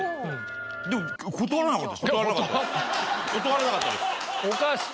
でも断らなかったです。